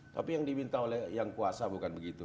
tapi yang diminta oleh yang kuasa bukan begitu